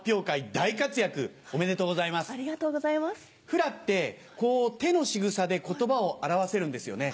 フラって手のしぐさで言葉を表せるんですよね？